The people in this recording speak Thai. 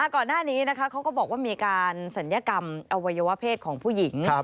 ก่อนหน้านี้เขาก็บอกว่ามีการศัลยกรรมอวัยวะเพศของผู้หญิง